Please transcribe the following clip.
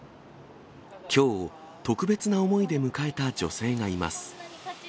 きょうを特別な思いで迎えた女性がいます。